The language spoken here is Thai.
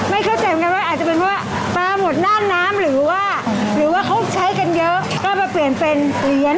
เข้าใจเหมือนกันว่าอาจจะเป็นเพราะว่าปลาหมดหน้าน้ำหรือว่าหรือว่าเขาใช้กันเยอะก็มาเปลี่ยนเป็นเหรียญ